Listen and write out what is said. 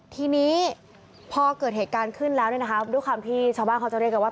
ทีนี้พอเกิดเหตุการณ์ขึ้นแล้วเนี่ยนะคะด้วยความที่ชาวบ้านเขาจะเรียกกันว่า